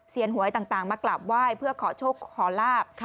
หวยต่างมากราบไหว้เพื่อขอโชคขอลาบ